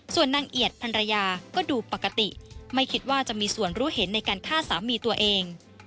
ส่วนนางเอียดพันรยาก็ดูปกติไม่คิดว่าจะมีส่วนรู้เห็นในการฆ่าสามีตัวเอง